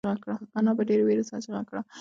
انا په ډېرې وېرې سره چیغه کړه.